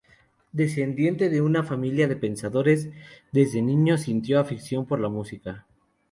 Descendiente de una familia de pensadores, desde niño sintió afición por la música.